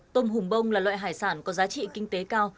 tôm hùm bông là loại hải sản có giá trị kinh tế cao